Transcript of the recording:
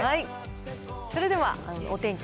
それではお天気の。